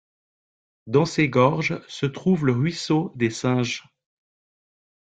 Dans ces gorges se trouve le ruisseau des singes.